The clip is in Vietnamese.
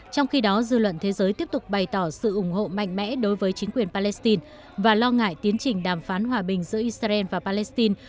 trong khi đó dư luận thế giới tiếp tục bày tỏ sự ủng hộ mạnh mẽ đối với chính quyền palestine và lo ngại tiến trình đàm phán hòa bình giữa israel và palestine